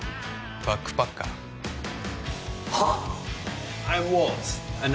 バックパッカーはあ？